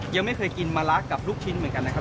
ยังไม่เคยกินมะละกับลูกชิ้นเหมือนกันนะครับ